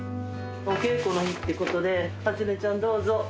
お稽古の日ってことで初音ちゃんどうぞ。